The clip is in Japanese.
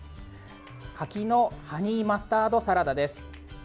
柿のハニーマスタードサラダです。